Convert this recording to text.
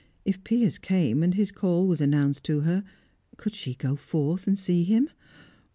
If Piers came, and his call was announced to her, could she go forth and see him?